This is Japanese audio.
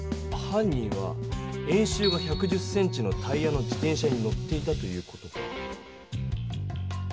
犯人は円周が１１０ｃｍのタイヤの自転車に乗っていたという事か。